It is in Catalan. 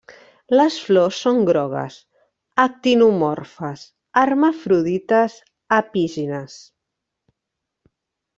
Les flors són grogues, actinomorfes, hermafrodites, epígines.